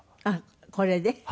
あっこれで？